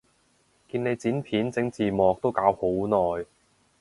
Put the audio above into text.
見你剪片整字幕都搞好耐